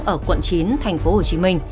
ở quận chín tp hcm